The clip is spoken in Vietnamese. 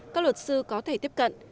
các luật sư có thể tiếp cận